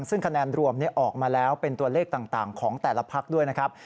ซึ่งคะแนนรวมออกมาแล้วเป็นตัวเลขต่างของแต่ละพักด้วยนะครับ